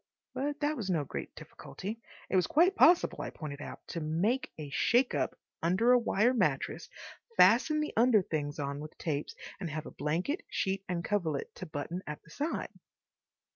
But that was no great difficulty. It was quite possible, I pointed out, to make a shake up under a wire mattress, fasten the under things on with tapes, and have a blanket, sheet, and coverlet to button at the side.